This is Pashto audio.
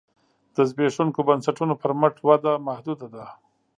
د زبېښونکو بنسټونو پر مټ وده محدوده ده